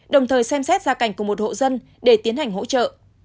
đồng thời xem xét gia cảnh của một hộ dân để tiến hành hỗ trợ